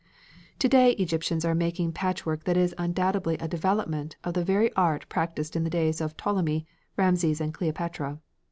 To day Egyptians are making patchwork that is undoubtedly a development of the very art practised in the days of Ptolemy, Rameses, and Cleopatra.